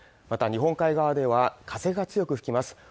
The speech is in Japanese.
また日本海側では風が強く吹きます